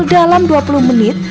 dalam dua puluh menit